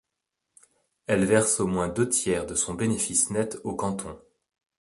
Elle verse au moins deux tiers de son bénéfice net aux cantons.